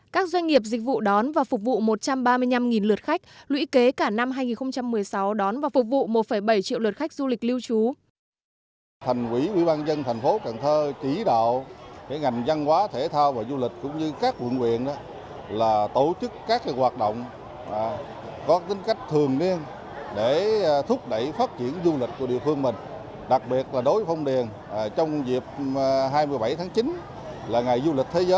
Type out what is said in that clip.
các doanh nghiệp dịch vụ đón và phục vụ một trăm ba mươi năm lượt khách lũy kế cả năm hai nghìn một mươi sáu đón và phục vụ một bảy triệu lượt khách du lịch lưu trú